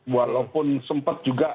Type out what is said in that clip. walaupun sempat juga